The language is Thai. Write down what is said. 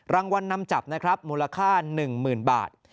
รางวัลนำจับนะครับมูลค่า๑๐๐๐บาท